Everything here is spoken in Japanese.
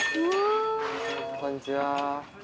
こんにちは。